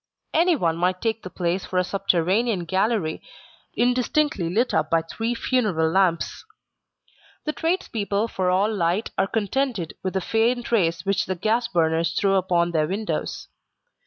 Anyone might take the place for a subterranean gallery indistinctly lit up by three funeral lamps. The tradespeople for all light are contented with the faint rays which the gas burners throw upon their windows.